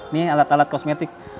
nih alat alat kosmetik